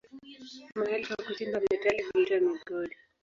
Mahali pa kuchimba metali huitwa migodi.